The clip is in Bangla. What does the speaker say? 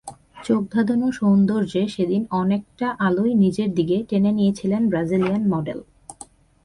চোখ ধাঁধানো সৌন্দর্যে সেদিন অনেকটা আলোই নিজের দিকে টেনে নিয়েছিলেন ব্রাজিলিয়ান মডেল।